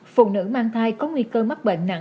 phụ nữ mang thai có nguy cơ mắc bệnh nặng